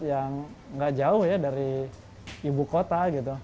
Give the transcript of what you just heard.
yang gak jauh ya dari ibu kota